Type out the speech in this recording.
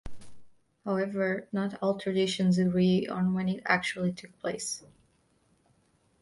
However, not all traditions agree on when it actually took place.